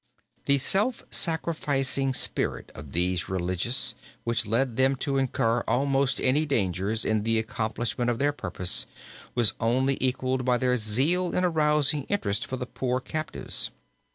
The self sacrificing spirit of these religious, which led them to incur almost any dangers in the accomplishment of their purpose, was only equaled by their zeal in arousing interest for the poor captives.